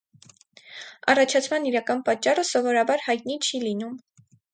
Առաջացման իրական պատճառը սովորաբար հայտնի չի լինում։